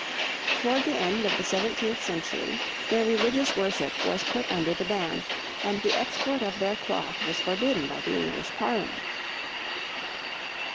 Toward the end of the seventeenth century their religious worship was put under the ban and the export of their cloth was forbidden by the English Parliament.